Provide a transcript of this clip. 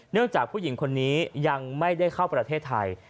จากผู้หญิงคนนี้ยังไม่ได้เข้าประเทศไทย